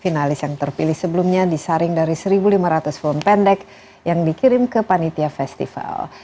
finalis yang terpilih sebelumnya disaring dari satu lima ratus film pendek yang dikirim ke panitia festival